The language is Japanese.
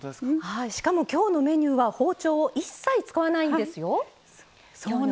しかも、今日のメニューは包丁を一切使わないんですよ。